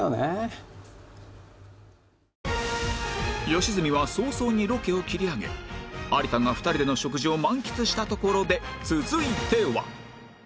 良純は早々にロケを切り上げ有田が２人での食事を満喫したところで続いては